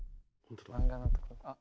漫画のとこあっ。